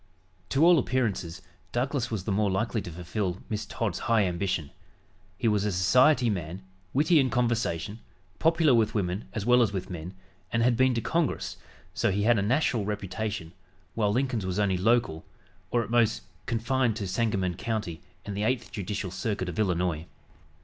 To all appearances Douglas was the more likely to fulfill Miss Todd's high ambition. He was a society man, witty in conversation, popular with women as well as with men, and had been to Congress, so he had a national reputation, while Lincoln's was only local, or at most confined to Sangamon County and the Eighth Judicial Circuit of Illinois.